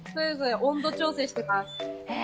温度調整をしています。